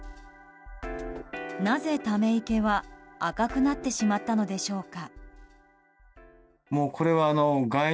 なぜ、ため池は赤くなってしまったのでしょうか。